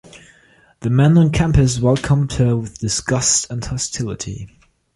The men on campus welcomed her with disgust and hostility.